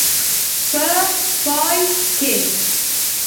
په پای کې.